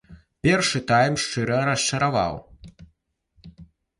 Першы тайм шчыра расчараваў.